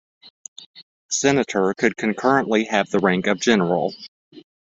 Senator could concurrently have the rank of General.